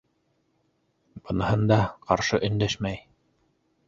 Быныһында ҡаршы өндәшмәй.